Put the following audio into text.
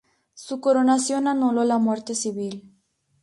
Su coronación anuló la muerte civil.